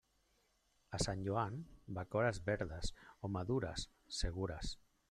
A sant Joan, bacores, verdes o madures, segures.